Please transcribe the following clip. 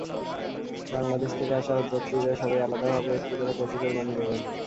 বাংলাদেশ থেকে আসা হজযাত্রীরা সবাই আলাদাভাবে একটি করে পশু কোরবানি দেবেন।